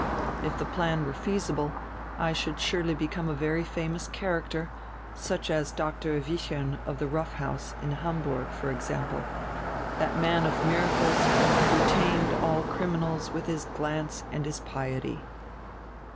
If the plan were feasible I should surely become a very famous char acter, such as Dr. Wichern of the Rough House in Ham burg, for example, that man of miracles, who tamed all criminals with his glance and his piety."